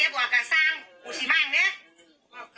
มึงเก็บออกกับสร้างมุกสิบ้านเนี้ย